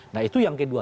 nah itu yang kedua